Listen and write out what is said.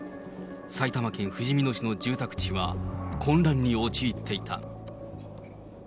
埼玉県ふじみ野市の住宅地は混乱に陥っていた。